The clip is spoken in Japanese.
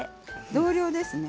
同量ですね。